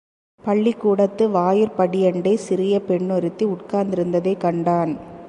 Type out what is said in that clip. பள்ளிக்கூடத்து வாயிற்படியண்டை சிறிய பெண் ஒருத்தி உட்கார்ந்திருந்ததைக் கண்டான்.